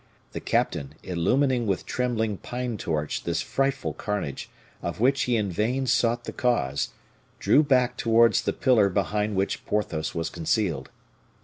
The captain, illumining with trembling pine torch this frightful carnage, of which he in vain sought the cause, drew back towards the pillar behind which Porthos was concealed.